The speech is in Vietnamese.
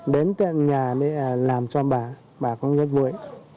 đến tận nhà để làm cho bà bà cũng rất vui